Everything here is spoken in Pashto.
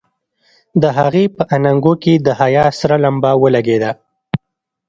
د هغې په اننګو کې د حيا سره لمبه ولګېده.